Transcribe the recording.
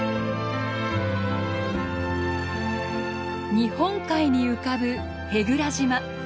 日本海に浮かぶ舳倉島。